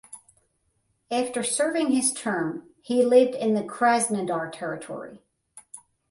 After serving his term he lived in the Krasnodar Territory.